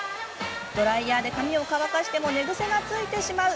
ドライヤーで髪を乾かしても寝ぐせがついてしまう。